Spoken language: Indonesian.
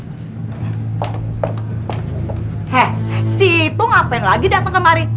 heh situ ngapain lagi dateng kemari